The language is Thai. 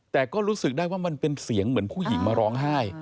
แต่ก็รู้สึกได้ว่ามันเป็นเสียงเหมือนผู้หญิงมาร้องไห้